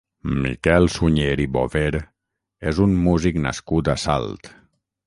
Miquel Sunyer i Bover és un músic nascut a Salt.